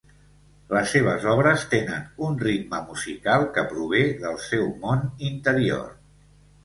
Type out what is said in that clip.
Les seves obres tenen un ritme musical que prové del seu món interior.